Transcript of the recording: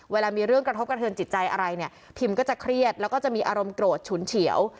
เวลามีเรื่องกระทบกระเทินจิตใจอะไรเนี่ยพิมก็จะเครียดแล้วก็จะมีอารมณ์โกรธฉุนเฉียว